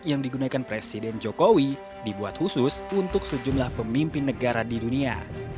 yang digunakan presiden jokowi dibuat khusus untuk sejumlah pemimpin negara di dunia